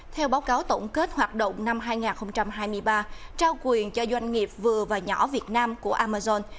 theo báo cáo tổng kết hoạt động năm hai nghìn hai mươi ba trao quyền cho doanh nghiệp vừa và nhỏ việt nam của amazon